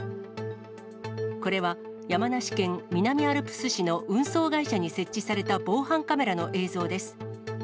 これは山梨県南アルプス市の運送会社に設置された防犯カメラの映像です。